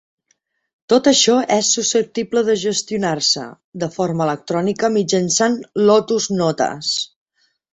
Tot això és susceptible de gestionar-se de forma electrònica mitjançant Lotus Notes.